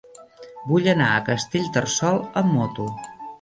Vull anar a Castellterçol amb moto.